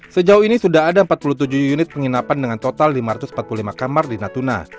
sejauh ini sudah ada empat puluh tujuh unit penginapan dengan total lima ratus empat puluh lima kamar di natuna